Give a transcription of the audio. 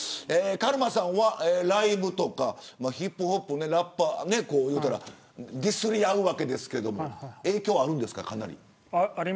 カルマさんはライブとかヒップホップラッパーいうたらディスり合うわけですけど影響あるんですか、かなり。